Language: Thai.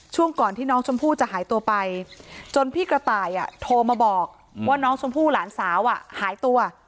ช่วงก่อนที่น้องชมพู่จะหายตัวไปจนพี่กระต่ายโทรมาบอกว่าน้องชมพู่หลานสาวหายตัว